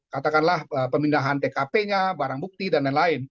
katakanlah pemindahan tkp nya barang bukti dan lain lain